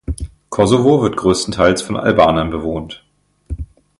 Kosovo wird größtenteils von Albanern bewohnt.